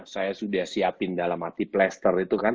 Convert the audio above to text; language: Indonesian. saya sudah siapkan dalam hati pemikiran